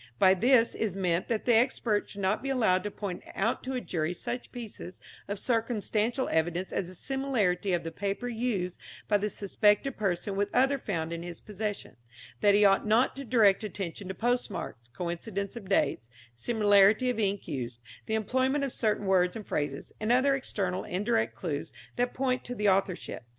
By this is meant that the expert should not be allowed to point out to a jury such pieces of circumstantial evidence as the similarity of the paper used by the suspected person with other found in his possession; that he ought not to direct attention to postmarks, coincidence of dates, similarity of ink used, the employment of certain words and phrases, and other external and indirect clues that point to the authorship.